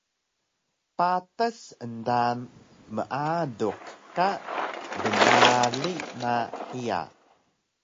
Patas endaan meaduk ka bnarig na hiya